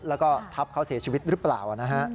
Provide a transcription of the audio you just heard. แล้วก็ทับเขาเสียชีวิตหรือเปล่านะฮะ